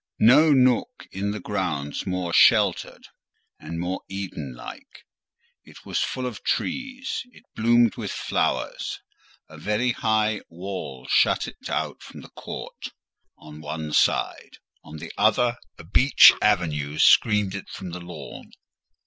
No nook in the grounds more sheltered and more Eden like; it was full of trees, it bloomed with flowers: a very high wall shut it out from the court, on one side; on the other, a beech avenue screened it from the lawn.